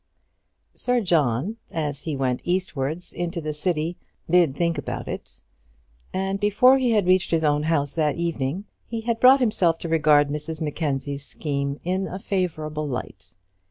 Sir John, as he went eastwards into the city, did think about it; and before he had reached his own house that evening, he had brought himself to regard Mrs Mackenzie's scheme in a favourable light.